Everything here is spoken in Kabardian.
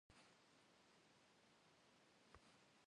Ş'ale nexh yinxem si şşır yageunexunu murad yaş'at.